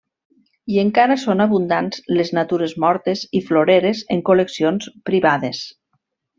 I encara són abundants les natures mortes i floreres en col·leccions privades.